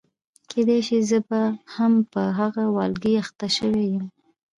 کېدای شي زه به هم په هغه والګي اخته شوې یم.